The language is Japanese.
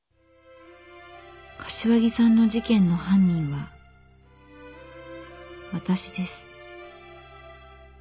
柏木さんの事件の犯人はわたしです。